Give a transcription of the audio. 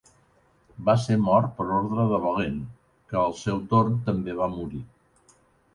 Va ser mort per orde de Valent, que al seu torn també va morir.